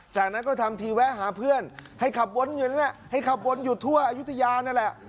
จากนั้นก็ทำทีแวะหาเพื่อนให้ขับวนอยู่ทั่วอายุธยานั่นแหละ